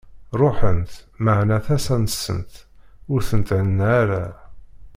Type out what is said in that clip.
Ruḥent, meɛna, tasa-nsent ur tent-henna ara.